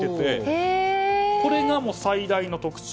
これが最大の特徴。